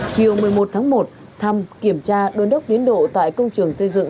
chiều một mươi một tháng một thăm kiểm tra đôn đốc tiến độ tại công trường xây dựng